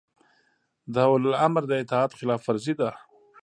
د اولوامر د اطاعت خلاف ورزي ده